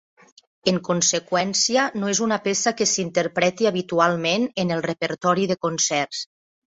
En conseqüència, no és una peça que s'interpreti habitualment en el repertori de concerts.